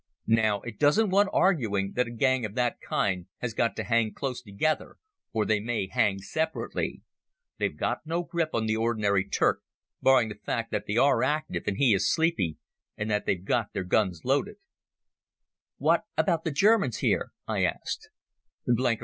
Now it doesn't want arguing that a gang of that kind has got to hang close together or they may hang separately. They've got no grip on the ordinary Turk, barring the fact that they are active and he is sleepy, and that they've got their guns loaded." "What about the Germans here?" I asked.